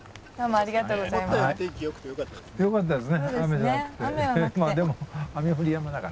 ありがとうございます。